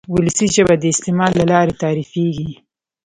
وولسي ژبه د استعمال له لارې تعریفېږي.